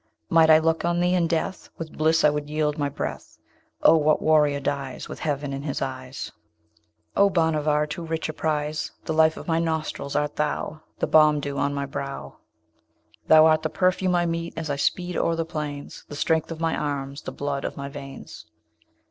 Might I look on thee in death, With bliss I would yield my breath. Oh! what warrior dies With heaven in his eyes? O Bhanavar! too rich a prize! The life of my nostrils art thou, The balm dew on my brow; Thou art the perfume I meet as I speed o'er the plains, The strength of my arms, the blood of my veins.